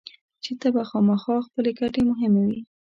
چین ته به خامخا خپلې ګټې مهمې وي.